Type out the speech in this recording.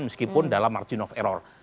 meskipun dalam margin of error